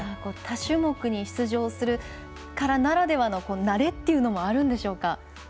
多種目に出場するからならではの慣れというのもあるんでしょうか。